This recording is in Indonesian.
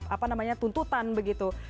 apa namanya tuntutan begitu